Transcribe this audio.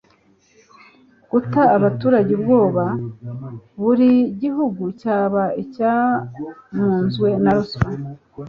gutera abaturage ubwoba. buri gihugu cyaba icyamunzwe na ruswa